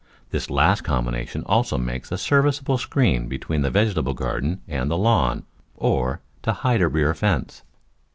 This last combination also makes a serviceable screen be tween the vegetable garden and the lawn, or to hide a rear fence.